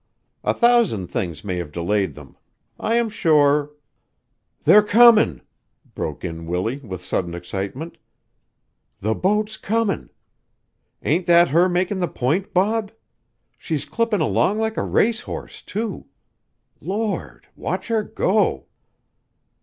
"A thousand things may have delayed them. I am sure " "They're comin'!" broke in Willie with sudden excitement. "The boat's comin'. Ain't that her makin' the point, Bob? She's clippin' along like a race horse, too. Lord! Watch her go."